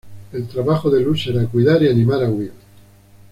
El trabajo de Lou será cuidar y animar a Will.